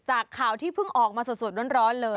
จากข่าวที่เพิ่งออกมาสดร้อนเลย